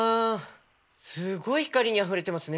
すごい光にあふれてますね。